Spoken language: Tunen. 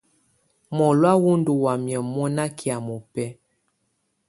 Mɔlɔ̀á wù ndù wamɛ̀á mɔna kɛ̀́á mɔbɛ̀á.